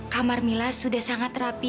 kamar mila sudah sangat rapi